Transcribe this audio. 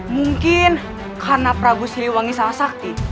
mungkin karena prabu siliwangi salah sakti